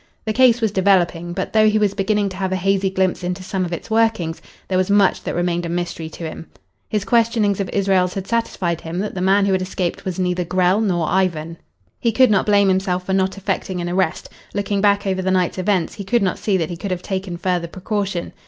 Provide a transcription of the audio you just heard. The case was developing; but though he was beginning to have a hazy glimpse into some of its workings, there was much that remained a mystery to him. His questionings of Israels had satisfied him that the man who had escaped was neither Grell nor Ivan. He could not blame himself for not effecting an arrest. Looking back over the night's events, he could not see that he could have taken further precaution.